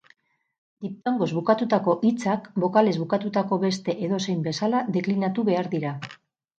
Diptongoz bukatutako hitzak bokalez bukatutako beste edozein bezala deklinatu behar dira.